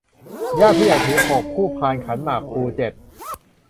ญาติผู้ใหญ่ถือ หก คู่พานขันหมากพลู เจ็ด